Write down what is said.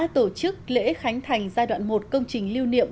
tổ chức lễ khánh thành giai đoạn một công trình lưu niệm